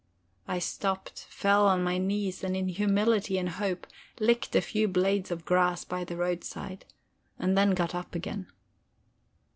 I stopped, fell on my knees, and in humility and hope licked a few blades of grass by the roadside, and then got up again.